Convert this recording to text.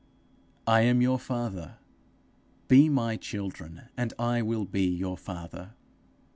'I am your father; be my children, and I will be your father.'